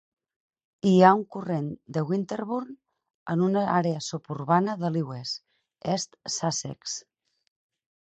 Hi ha un corrent de Winterbourne en una àrea suburbana de Lewes, East Sussex.